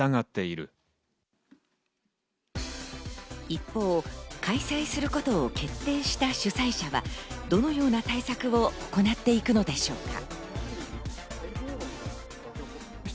一方、開催することを決定した主催者はどのような対策を行っていくのでしょうか？